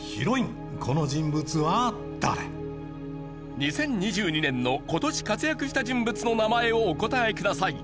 ２０２２年の今年活躍した人物の名前をお答えください。